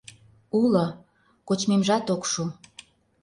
— Уло... кочмемжат ок шу.